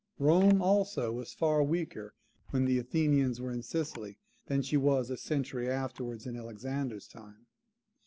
Rome, also, was far weaker when the Athenians were in Sicily, than she was a century afterwards, in Alexander's time.